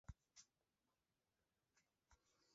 Eraikinaren egitura harrizkoa eta zurezkoa da.